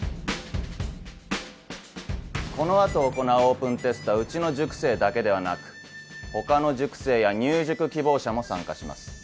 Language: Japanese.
この後行うオープンテストはうちの塾生だけではなく他の塾生や入塾希望者も参加します。